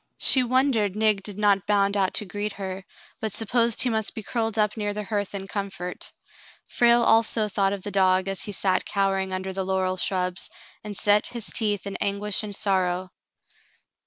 She wondered Nig did not bound out to greet her, but supposed he must be curled up near the hearth in comfort. Frale also thought of the dog as he sat cowering under the laurel shrubs, and set his teeth in anguish and sorrow.